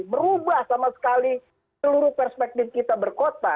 merubah sama sekali seluruh perspektif kita berkota